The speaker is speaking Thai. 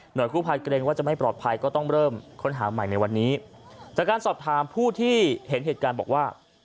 โดยกู้ภัยเกรงว่าจะไม่ปลอดภัยก็ต้องเริ่มค้นหาใหม่ในวันนี้จากการสอบถามผู้ที่เห็นเหตุการณ์บอกว่า